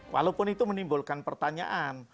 walaupun itu menimbulkan pertanyaan